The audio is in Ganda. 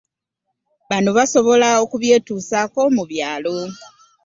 Bano basobola okubyetuusaako mu byalo